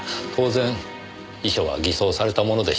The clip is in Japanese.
当然遺書は偽装されたものでしょう。